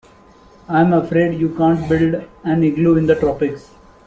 I'm afraid you can't build an igloo in the tropics.